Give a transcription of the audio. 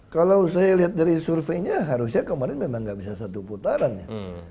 kalau saya lihat dari surveinya harusnya kemarin memang nggak bisa satu putaran ya